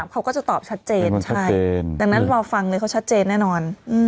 เขาก็จะตอบชัดเจนใช่ดังนั้นรอฟังเลยเขาชัดเจนแน่นอน